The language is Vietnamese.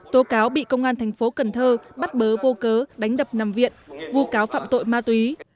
tố cáo bị công an tp cn bắt bớ vô cớ đánh đập nằm viện vụ cáo phạm tội ma túy